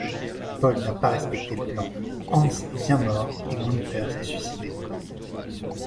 Paul n'a pas respecté le plan, Hans est bien mort, et Günther s'est suicidé.